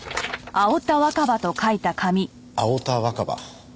青田若葉。